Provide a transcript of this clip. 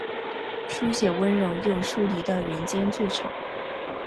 书写温柔又疏离的人间剧场。